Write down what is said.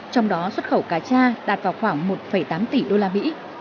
trong đó xuất khẩu cá cha đạt vào khoảng một tám tỷ usd